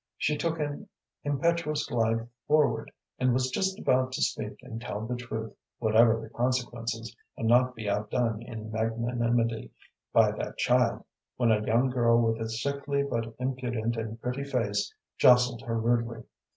She took an impetuous glide forward, and was just about to speak and tell the truth, whatever the consequences, and not be outdone in magnanimity by that child, when a young girl with a sickly but impudent and pretty face jostled her rudely.